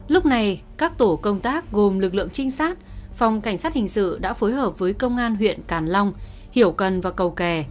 lúc này các tổ công tác gồm lực lượng trinh sát phòng cảnh sát hình sự đã phối hợp với công an huyện càm long hiểu cần và cầu kè